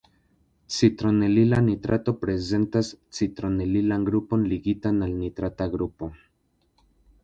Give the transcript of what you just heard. Citronelila nitrato prezentas citronelilan grupon ligitan al nitrata grupo.